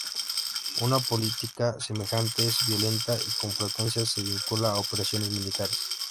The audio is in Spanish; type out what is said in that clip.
Una política semejante es violenta y con frecuencia se vincula a operaciones militares.